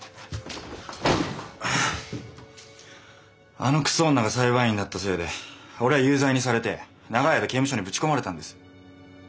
あのクソ女が裁判員だったせいで俺は有罪にされて長い間刑務所にぶち込まれたんです。